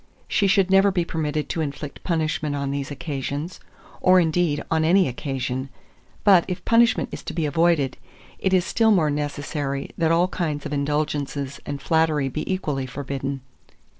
She should never be permitted to inflict punishment on these occasions, or, indeed, on any occasion. But, if punishment is to be avoided, it is still more necessary that all kinds of indulgences and flattery be equally forbidden.